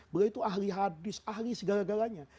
beliau itu ahli hadis ahli segala galanya